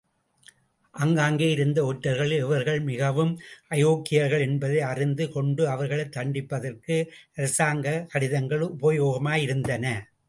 ஆங்காங்கேயிருந்த ஒற்றர்களில் எவர்கள் மிகவும் அயோக்கியர்கள் என்பதை அறிந்து கொண்டு அவர்களைத் தண்டிப்பதற்கும் அரசாங்க கடிதங்கள் உபயோகமாயிருந்தன.